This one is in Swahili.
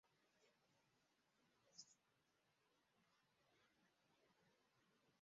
kwa kutumia vifaa vya kudhibiti kiwango Katika nchi zenye raslimali